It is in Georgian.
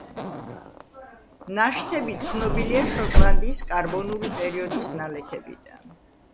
ნაშთები ცნობილია შოტლანდიის კარბონული პერიოდის ნალექებიდან.